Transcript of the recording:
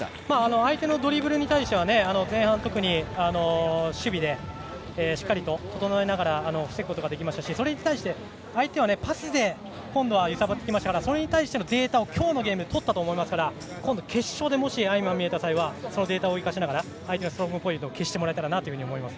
相手のドリブルに対しては前半、特に守備でしっかりと整えながら防ぐことができましたしそれに対して、相手はパスで今度は揺さぶってきてそれに対してのデータを今日のゲームでとったと思いますから今度、決勝でもし相まみえた際はそのデータを生かして相手のストロングポイントを消してほしいと思います。